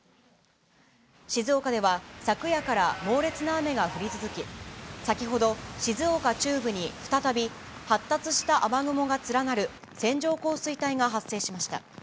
静岡では、昨夜から猛烈な雨が降り続き、先ほど、静岡中部に再び発達した雨雲が連なる線状降水帯が発生しました。